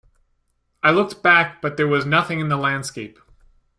I looked back, but there was nothing in the landscape.